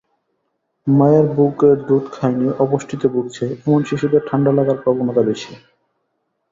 মায়ের বুকের দুধ খায়নি, অপুষ্টিতে ভুগছে, এমন শিশুদের ঠান্ডা লাগার প্রবণতা বেশি।